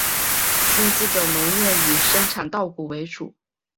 资兴的农业以生产稻谷为主。